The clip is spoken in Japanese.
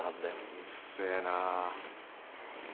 うっせえなぁ。